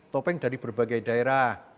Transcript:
topeng dari berbagai daerah